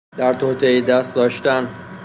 در توطئهای دست داشتن